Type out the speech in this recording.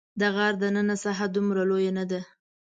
د غار دننه ساحه دومره لویه نه ده.